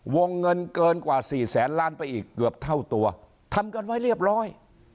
วงเงินเกินกว่าสี่แสนล้านไปอีกเกือบเท่าตัวทำกันไว้เรียบร้อย